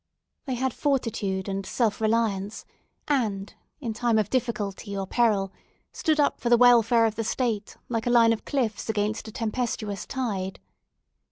They had fortitude and self reliance, and in time of difficulty or peril stood up for the welfare of the state like a line of cliffs against a tempestuous tide.